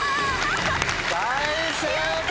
大正解！